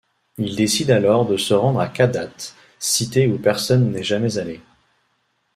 Il décide alors de se rendre à Kadath, cité où personne n'est jamais allé.